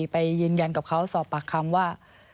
ไปยืนยันกับเขาสอบปากคำว่า